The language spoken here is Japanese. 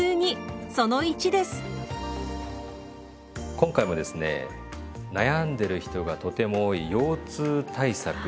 今回もですね悩んでる人がとても多い腰痛対策